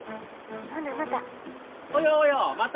ほなまた。